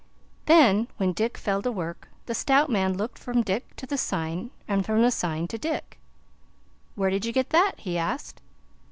Then when Dick fell to work, the stout man looked from Dick to the sign and from the sign to Dick. "Where did you get that?" he asked.